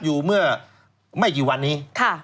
อยู่เมื่อไม่กี่วันนี้